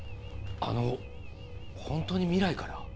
あの本当に未来から？